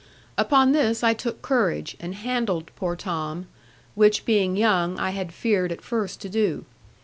Upon this I took courage, and handled poor Tom, which being young I had feared at first to do.